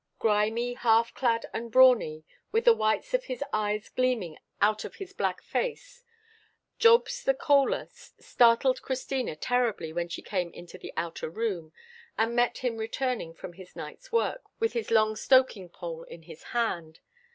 Grimy, half clad, and brawny, with the whites of his eyes gleaming out of his black face, Jobst the Kohler startled Christina terribly when she came into the outer room, and met him returning from his night's work, with his long stoking pole in his hand.